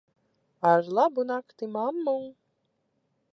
Ar labu nakti, mammu.